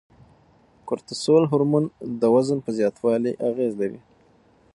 کورتسول هورمون د وزن په زیاتوالي اغیز لري.